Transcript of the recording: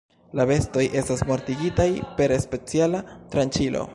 La bestoj estas mortigitaj per speciala tranĉilo.